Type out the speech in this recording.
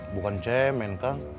bukan cemen kang